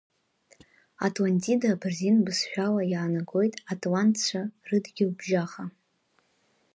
Атлантида абырзен бызшәала иаанагоит атлантцәа рыдгьылбжьаха.